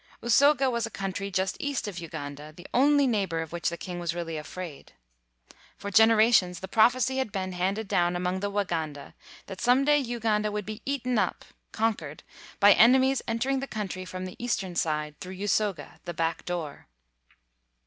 Usoga was a country just east of Uganda, the only neigh bor of which the king was really afraid. 202 THREE BOY HEROES For generations the prophecy had been handed down among the "Waganda that some day Uganda would be "eaten up" (conquered) by enemies entering the coun try from the eastern side through Usoga, the "back door."